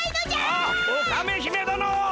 あっオカメ姫殿！